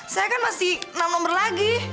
saya kan masih enam nomor lagi